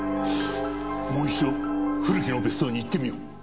もう一度古木の別荘に行ってみよう。